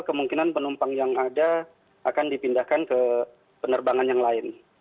kemungkinan penumpang yang ada akan dipindahkan ke penerbangan yang lain